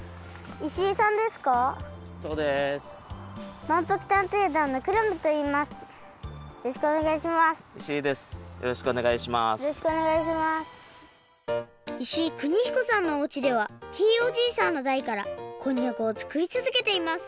石井邦彦さんのおうちではひいおじいさんのだいからこんにゃくをつくりつづけています。